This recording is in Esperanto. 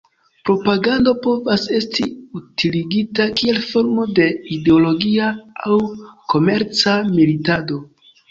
Propagando povas esti utiligita kiel formo de ideologia aŭ komerca militado.